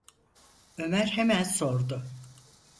Ömer hemen sordu: